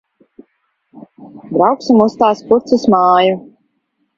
Brauksim uz tās kuces māju.